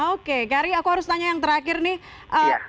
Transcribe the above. oke gary aku harus tanya yang terakhir nih